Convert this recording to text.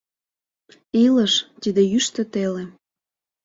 Илыш — тиде йӱштӧ теле